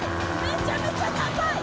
めちゃめちゃ高い！